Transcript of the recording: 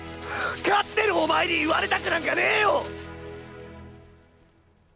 勝ってるお前に言われたくなんかねぇよ！